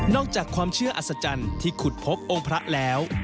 จากความเชื่ออัศจรรย์ที่ขุดพบองค์พระแล้ว